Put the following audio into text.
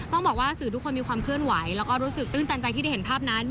ต้องบอกว่าสื่อทุกคนมีความเคลื่อนไหวแล้วก็รู้สึกตื้นตันใจที่ได้เห็นภาพนั้น